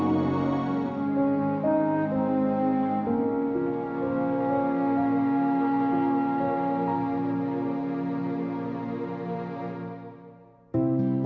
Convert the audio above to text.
kau mau pulang